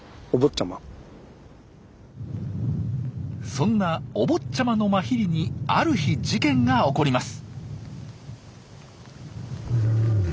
そんなお坊ちゃまのマヒリにある日事件が起こります。